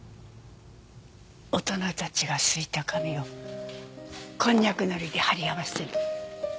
大人たちが漉いた紙をコンニャクのりで貼り合わせる。